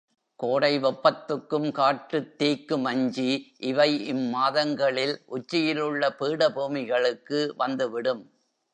கோடை வெப்பத்துக்கும், காட்டுத் தீக்கும் அஞ்சி இவை இம் மாதங்களில் உச்சியிலுள்ள பீடபூமிகளுக்கு வந்துவிடும்.